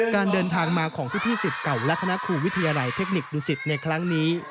การเดินทางมาของพี่สิทธิ์เก่าและคณะครูวิทยาลัยเทคนิคดุสิตในครั้งนี้